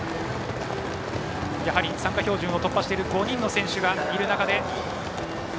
やはり参加標準記録を突破している５人の選手がいる中。